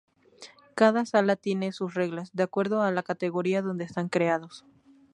Cada sala tiene sus reglas, de acuerdo a la categoría donde están creados.